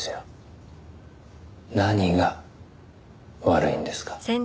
何が悪いんですか？